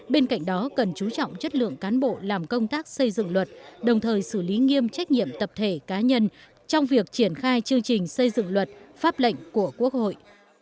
bên cạnh đó cần chú trọng chất lượng cán bộ làm công tác xây dựng luật đồng thời xử lý nghiêm trách nhiệm tập thể cá nhân trong việc triển khai chương trình xây dựng luật pháp lệnh của quốc hội